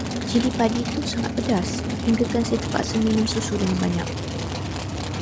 Cili padi itu sangat pedas, hinggakan saya terpaksa minum susu dengan banyak.